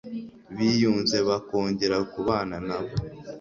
biyunze bakongera kubana nabo